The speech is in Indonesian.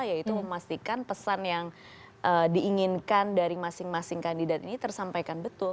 yaitu memastikan pesan yang diinginkan dari masing masing kandidat ini tersampaikan betul